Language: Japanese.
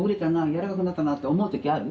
柔らかくなったなって思う時ある？